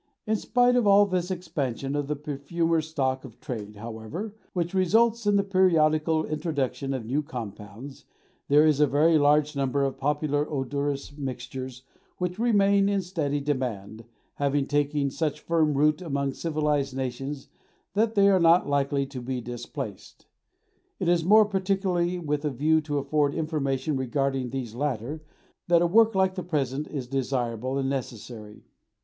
In spite of all this expansion of the perfumer's stock of trade, however, which results in the periodical introduction of new compounds, there is a very large number of popular odorous mixtures which remain in steady demand, having taken such firm root among civilized nations that they are not likely to be displaced. It is more particularly with a view to afford information regarding these latter that a work like the present is desirable and necessary.